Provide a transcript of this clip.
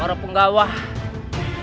orang penggawa di penjara di sebelah kota ini